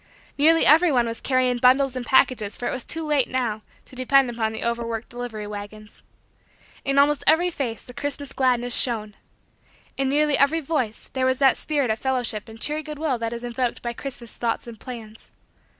Nearly everyone was carrying bundles and packages for it was too late, now, to depend upon the overworked delivery wagons. In almost every face, the Christmas gladness shone. In nearly every voice, there was that spirit of fellowship and cheery good will that is invoked by Christmas thoughts and plans.